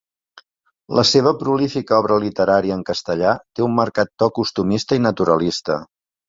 La seva prolífica obra literària en castellà té un marcat to costumista i naturalista.